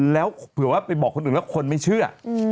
แล้วเผื่อว่าไปบอกคนอื่นแล้วคนไม่เชื่อ